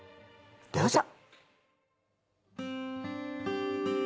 どうぞ。